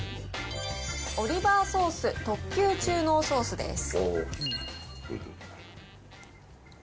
オリバーソース特級中濃ソースです。